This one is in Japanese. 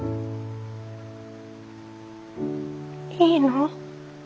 いいの？